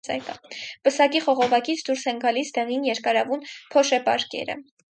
Պսակի խողովակից դուրս են գալիս դեղին երկարավուն փոշեպարկերը։